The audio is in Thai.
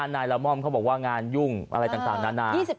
นายละม่อมเขาบอกว่างานยุ่งอะไรต่างนานา